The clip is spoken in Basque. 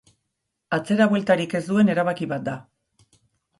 Atzera bueltarik ez duen erabaki bat da.